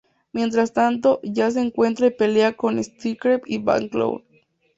Mientras tanto, Jazz se encuentra y pelea con Starscream y Blackout.